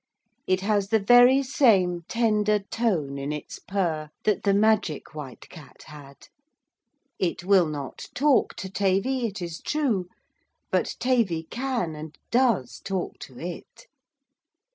It has the very same tender tone in its purr that the magic White Cat had. It will not talk to Tavy, it is true; but Tavy can and does talk to it.